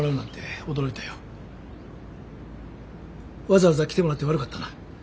わざわざ来てもらって悪かったな。